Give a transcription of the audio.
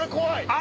あ！